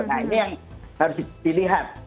nah ini yang harus dilihat